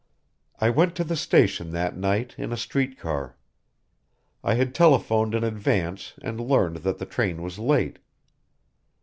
"I went to the station that night in a street car. I had telephoned in advance and learned that the train was late.